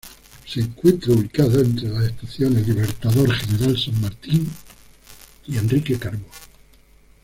Se encuentra ubicada entre las estaciones Libertador General San Martín y Enrique Carbó.